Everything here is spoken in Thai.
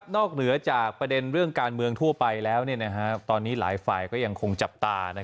เหนือจากประเด็นเรื่องการเมืองทั่วไปแล้วตอนนี้หลายฝ่ายก็ยังคงจับตา